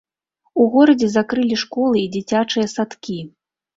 У горадзе закрылі школы і дзіцячыя садкі.